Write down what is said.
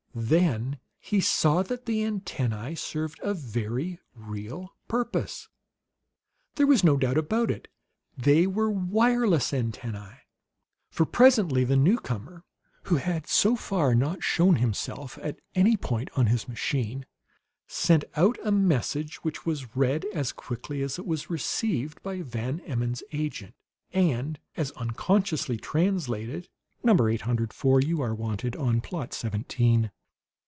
Then he saw that the antennae served a very real purpose. There was no doubt about it; they were wireless antennae! For presently the newcomer, who so far had not shown himself at any point on his machine, sent out a message which was read as quickly as it was received by Van Emmon's agent, and as unconsciously translated: "Number Eight Hundred Four, you are wanted on Plot Seventeen."